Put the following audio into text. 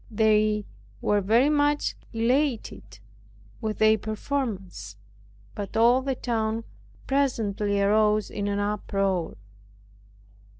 They were very much elated with their performance; but all the town presently arose in an uproar.